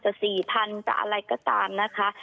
จะ๔๐๐๐มันจะอะไรก็ตามนะคะ